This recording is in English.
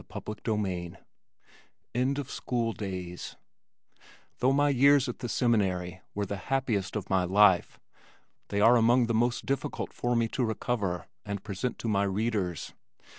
CHAPTER XIX End of School Days Though my years at the Seminary were the happiest of my life they are among the most difficult for me to recover and present to my readers.